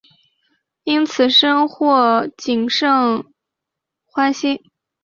因此深获景胜欢心。